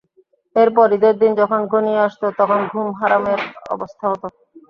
এরপর ঈদের দিন যখন ঘনিয়ে আসত তখন ঘুম হারামের অবস্থা হতো।